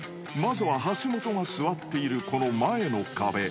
［まずは橋本が座っているこの前の壁